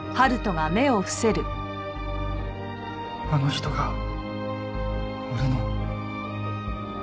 あの人が俺の。